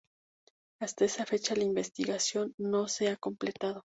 Hasta esa fecha la investigación no se ha completado.